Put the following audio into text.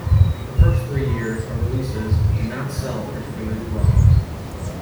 The first three years of releases did not sell particularly well.